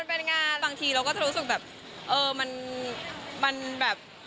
เป็นงานบางทีเราก็จะรู้สึกแบบเออมันแบบ